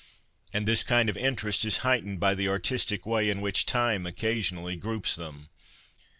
And this kind of interest is heightened by the artistic way in which Time oc casionally groups them.